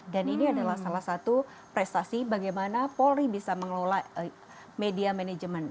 dan ini adalah salah satu prestasi bagaimana polri bisa mengelola media manajemen